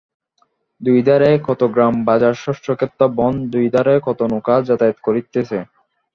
দুইধারে কত গ্রাম বাজার শস্যক্ষেত্র বন, দুইধারে কত নৌকা যাতায়াত করিতেছে।